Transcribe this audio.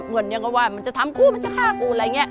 เหมือนยังก็ว่ามันจะทำกูมันจะฆ่ากูอะไรอย่างนี้